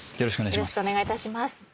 よろしくお願いします。